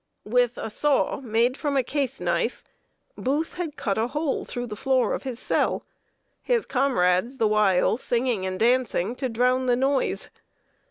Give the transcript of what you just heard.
With a saw made from a case knife, Booth had cut a hole through the floor of his cell, his comrades the while singing and dancing to drown the noise.